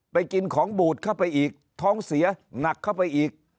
กินของบูดเข้าไปอีกท้องเสียหนักเข้าไปอีก